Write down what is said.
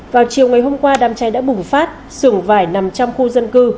vào chiều ngày hôm qua đám cháy đã bùng phát sưởng vải nằm trong khu dân cư